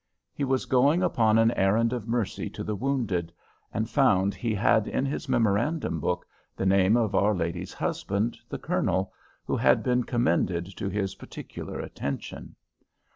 He was going upon an errand of mercy to the wounded, and found he had in his memorandum book the name of our lady's husband, the Colonel, who had been commended to his particular attention.